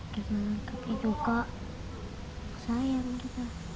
karena rake juga sayang kita